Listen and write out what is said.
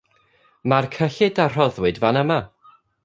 Mae'r cyllid a rhoddwyd fan yma